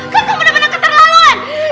kakak benar benar keterlaluan